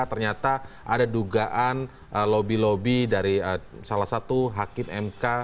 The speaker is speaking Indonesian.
ternyata ada dugaan lobby lobby dari salah satu hakim mk